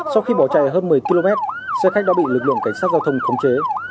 sau khi bỏ chạy hơn một mươi km xe khách đã bị lực lượng cảnh sát giao thông khống chế